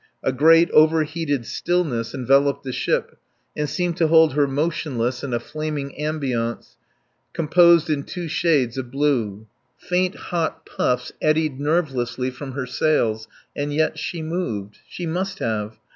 A great over heated stillness enveloped the ship and seemed to hold her motionless in a flaming ambience composed in two shades of blue. Faint, hot puffs eddied nervelessly from her sails. And yet she moved. She must have.